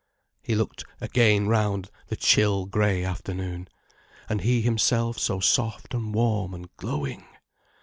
He looked again round the chill, grey afternoon. And he himself so soft and warm and glowing!